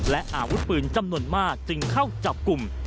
และอาวุธปืนจำนวนมากจึงเข้าจับกลุ่ม